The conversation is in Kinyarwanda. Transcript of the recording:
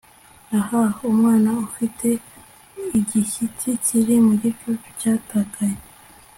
Ah Umwana ufite igishyitsi kiri mu gicucu cyatakaye